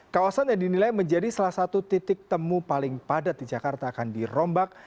kawasan yang dinilai menjadi salah satu titik temu paling padat di jakarta akan dirombak